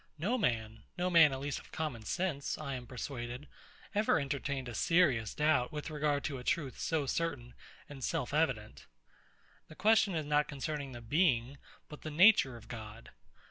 No man, no man at least of common sense, I am persuaded, ever entertained a serious doubt with regard to a truth so certain and self evident. The question is not concerning the being, but the nature of God.